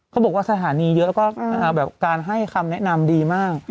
เขาบอกว่าสถานีเยอะแล้วก็การให้คำแนะนำดีมาก